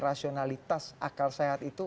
rasionalitas akal sehat itu